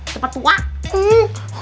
cepat tuh aku